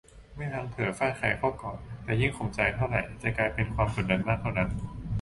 ไม่พลั้งเผลอฟาดใครเข้าก่อน แต่ยิ่งข่มใจเท่าไหร่จะกลายเป็นความกดดันมากเท่านั้น